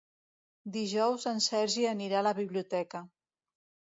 Dijous en Sergi anirà a la biblioteca.